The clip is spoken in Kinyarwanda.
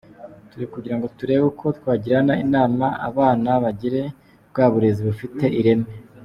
Turi kugira ngo turebe uko twagirana inama abana bagire bwa burezi bufite ireme.